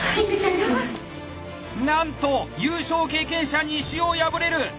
なんと優勝経験者西尾敗れる！